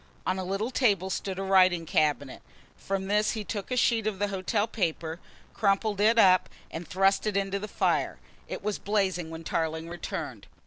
On a little table stood a writing cabinet. From this he took a sheet of the hotel paper, crumpled it up and thrust it into the fire. It was blazing when Tarling returned.